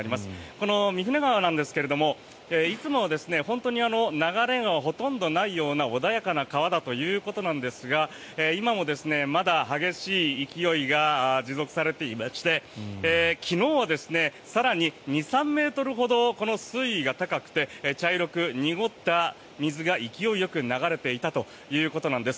この御船川なんですがいつもは本当に流れがほとんどないような穏やかな川だということですが今もまだ激しい勢いが持続されていて昨日は更に２３ｍほどこの水位が高くて茶色く濁った水が勢いよく流れていたということです。